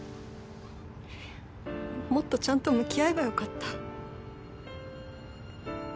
もっとちゃんと向き合えばよかった。